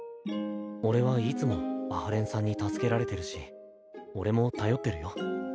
俺はいつも阿波連さんに助けられてるし俺も頼ってるよ。